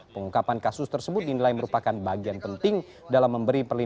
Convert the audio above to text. pengungkapan kasus tersebut dinilai merupakan bagian penting dalam memberi perlindungan